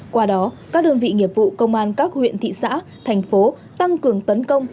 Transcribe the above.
qua đó các đơn vị nghiệp vụ công an các huyện thị xã thành phố tăng cường tấn công